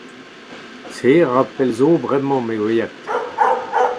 Se a ra pell 'zo bremañ m'eo aet.